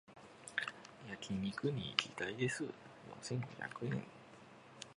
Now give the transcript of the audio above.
焼肉に行きたいです